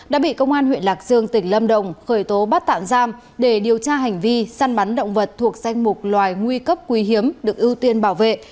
đã bị công an huyện lạc dương tỉnh lâm đồng khởi tố bắt tạm giam để điều tra hành vi săn bắn động vật thuộc danh mục loài nguy cấp quý hiếm được ưu tiên bảo vệ